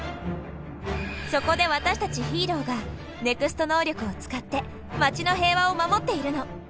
そこで私たちヒーローがＮＥＸＴ能力を使って街の平和を守っているの。